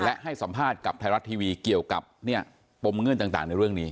และให้สัมภาษณ์กับไทยรัฐทีวีเกี่ยวกับปมเงื่อนต่างในเรื่องนี้